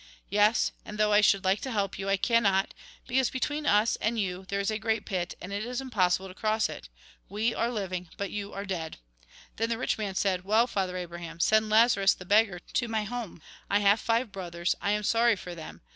Yes, and though I should like to help you, I cannot, because between us and you there is a great pit, and it is impossible to cross it. We are living, but you are dead.' Then the rich man said :' Well, Father Abraham, send Lazarus the beggar to my home. I have five brothers ; I am sorry for them.